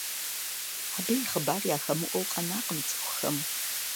Абы и хъыбар яхэмыӀуэу къэнакъым цӀыхухэм.